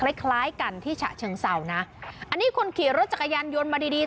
คล้ายคล้ายกันที่ฉะเชิงเศร้านะอันนี้คนขี่รถจักรยานยนต์มาดีดี